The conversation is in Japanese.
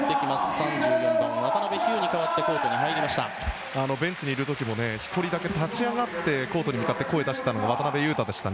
３４番、渡邉飛勇に代わってベンチにいる時も１人だけ立ち上がってコートに向かって声を出していたのが渡邊雄太でした。